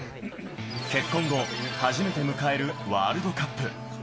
結婚後、初めて迎えるワールドカップ。